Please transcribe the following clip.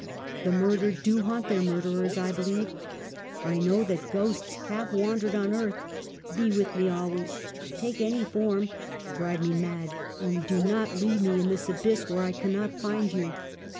The murdered do haunt their murderers, I believe. I know that ghosts have wandered on earth. Be with me always — take any form — drive me mad ! only do not leave me in this abyss where I cannot find you